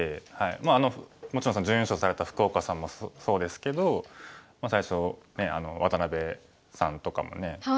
まあもちろん準優勝された福岡さんもそうですけど最初渡辺さんとかもね